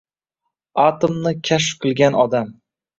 Atomni kashf qilgan odam